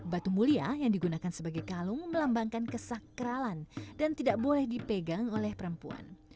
batu mulia yang digunakan sebagai kalung melambangkan kesakralan dan tidak boleh dipegang oleh perempuan